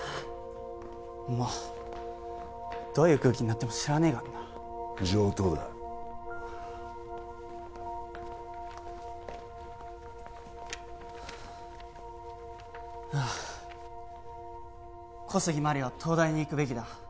もうどういう空気になっても知らねえからな上等だ「小杉麻里は東大に行くべきだ」